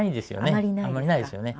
あまりないですよね。